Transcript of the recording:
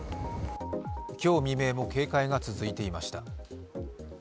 今日未明も警戒が続いていました。